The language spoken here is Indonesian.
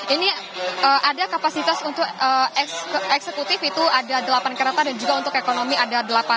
ini ada kapasitas untuk eksekutif itu ada delapan kereta dan juga untuk ekonomi ada delapan